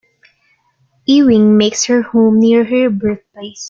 Ewing makes her home near her birthplace.